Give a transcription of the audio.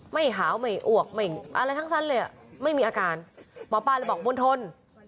หาวไม่อวกไม่อะไรทั้งนั้นเลยอ่ะไม่มีอาการหมอป้าเลยบอกมณฑล